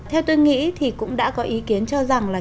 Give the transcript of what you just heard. theo tôi nghĩ thì cũng đã có ý kiến cho rằng là